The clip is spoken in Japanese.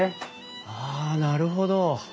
ああなるほど。